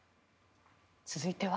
続いては。